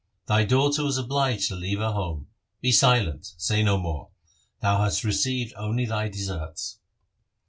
Thy daughter was obliged to leave her home Be silent ; say no more ; thou hast received only thy deserts.'